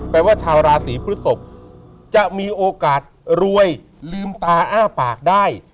แปลว่าชาวราศีพฤศพจะมีโอกาสรวยลืมตาอ้าปากได้